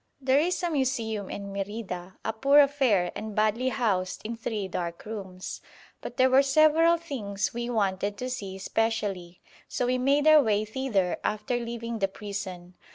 There is a Museum in Merida, a poor affair and badly housed in three dark rooms; but there were several things we wanted to see specially, so we made our way thither after leaving the prison.